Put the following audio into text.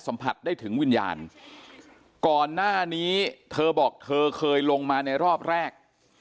สัมผัสได้ถึงวิญญาณก่อนหน้านี้เธอบอกเธอเคยลงมาในรอบแรก